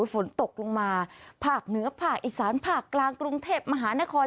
ฝนตกลงมาภาคเหนือภาคอีสานภาคกลางกรุงเทพมหานคร